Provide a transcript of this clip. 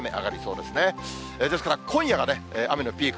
ですから今夜が雨のピーク。